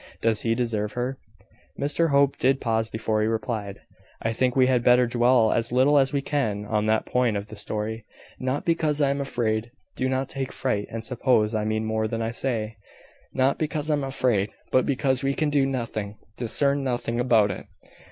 Does he deserve her?" Mr Hope did pause before he replied: "I think we had better dwell as little as we can on that point of the story not because I am afraid (do not take fright and suppose I mean more than I say) not because I am afraid, but because we can do nothing, discern nothing, about it.